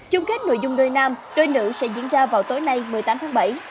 chung kết nội dung đôi nam đôi nữ sẽ diễn ra vào tối nay một mươi tám tháng bảy